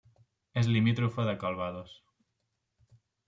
És limítrofa de Calvados.